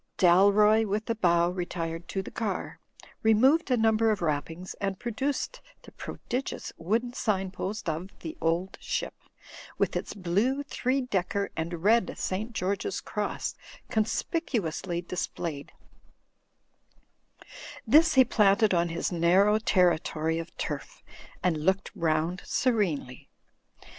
Dalroy, with a bow, retired to the car, removed a Digitized by CjOOQI^ HOSPITALITY OF THE CAPTAIN 239 number of wrappings and produced the prodigious Avooden sign post of "The Old Ship," with its blue three decker and red St. George's cross conspicuously displayed. This he planted on his narrow territory of turf and looked round serenely.